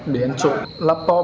để em trộn laptop